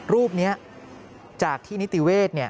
รูปนี้จากที่นิติเวศ